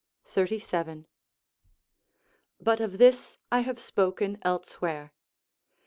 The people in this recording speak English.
i. 37.] but of this I have spoken elsewhere.